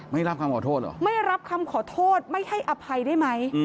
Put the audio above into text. ไม่รับคำขอโทษเหรอไม่รับคำขอโทษไม่ให้อภัยได้ไหม